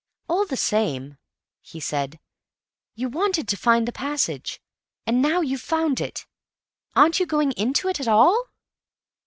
"All the same," he said, "you wanted to find the passage, and now you've found it. Aren't you going into it at all?"